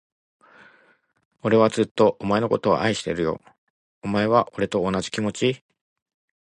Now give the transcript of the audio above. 俺はずっと、お前のことを愛してるよ。お前は、俺と同じ気持ち？